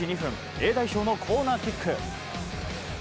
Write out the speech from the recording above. Ａ代表のコーナーキック。